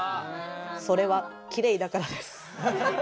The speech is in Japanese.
それは綺麗だからです。